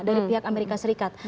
dari pihak amerika serikat